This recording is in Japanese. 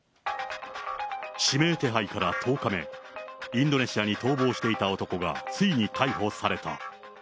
指名手配から１０日目、インドネシアに逃亡していた男がついに逮捕された。